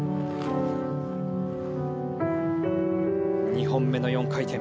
２本目の４回転。